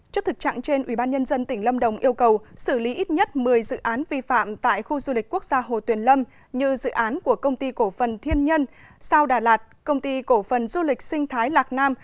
trước thực trạng trên ubnd tỉnh lâm đồng yêu cầu xử lý ít nhất một mươi dự án vi phạm tại khu du lịch quốc gia hồ tuyền lâm như dự án của công ty cổ phần thiên nhân sao đà lạt công ty cổ phần du lịch sinh thái lạc nam